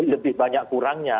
lebih banyak kurangnya